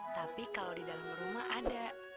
tapi kalau di dalam rumah ada